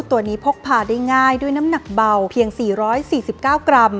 ตัวนี้พกพาได้ง่ายด้วยน้ำหนักเบาเพียง๔๔๙กรัม